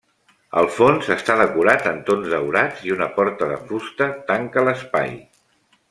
El fons està decorat en tons daurats i una porta de fusta tanca l'espai.